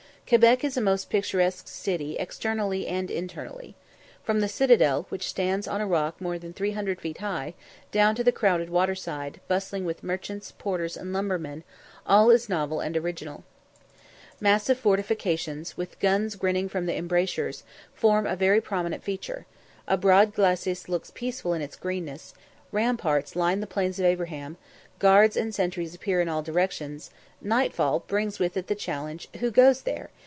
Quebec is a most picturesque city externally and internally. From the citadel, which stands on a rock more than three hundred feet high, down to the crowded water side, bustling with merchants, porters, and lumbermen, all is novel and original. Massive fortifications, with guns grinning from the embrasures, form a very prominent feature; a broad glacis looks peaceful in its greenness; ramparts line the Plains of Abraham; guards and sentries appear in all directions; nightfall brings with it the challenge "_Who goes there?